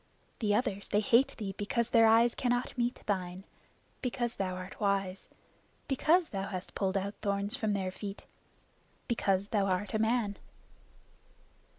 The others they hate thee because their eyes cannot meet thine; because thou art wise; because thou hast pulled out thorns from their feet because thou art a man."